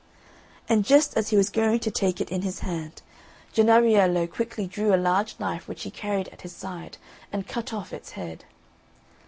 And just as he was going to take it in his hand, Jennariello quickly drew a large knife which he carried at his side and cut off its head.